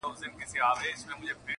o په اوبو کوچي کوي!